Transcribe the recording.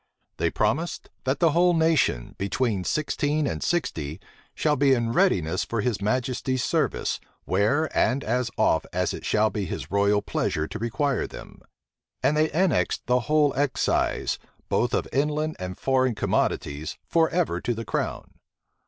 They promised, that the whole nation, between sixteen and sixty, shall be in readiness for his majesty's service, where and as oft as it shall be his royal pleasure to require them. And they annexed the whole excise, both of inland and foreign commodities, forever to the crown.